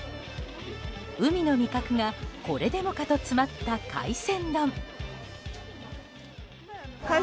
海の味覚がこれでもかと詰まった海鮮丼。